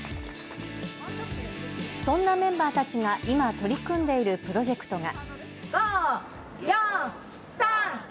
そんなメンバーたちが今、取り組んでいるプロジェクトが。